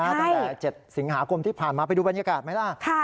ตั้งแต่๗สิงหาคมที่ผ่านมาไปดูบรรยากาศไหมล่ะ